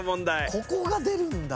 ・ここが出るんだ。